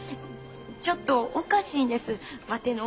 ちょっとおかしいんですワテの親。